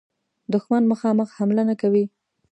دښمن مخامخ حمله نه کوي.